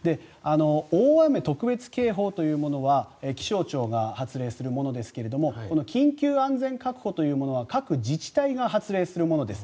大雨特別警報というものは気象庁が発令するものですがこの緊急安全確保というものは各自治体が発令するものです。